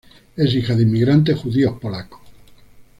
Es hija de inmigrantes judíos polacos.